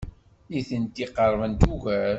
Nitenti qerbent ugar.